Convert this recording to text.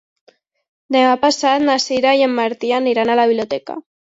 Demà passat na Sira i en Martí aniran a la biblioteca.